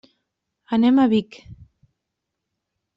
Anem a Vic.